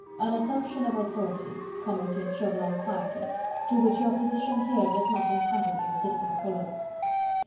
"An assumption of authority," commented Chauvelin quietly, "to which your position here does not entitle you, Citizen Collot."